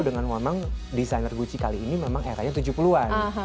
dengan memang designer gucci kali ini memang rk nya tujuh puluh an